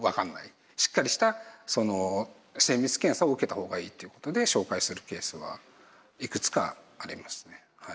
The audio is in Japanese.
しっかりした精密検査を受けた方がいいっていうことで紹介するケースはいくつかありますね。